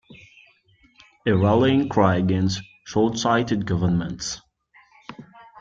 A rallying cry against shortsighted governments.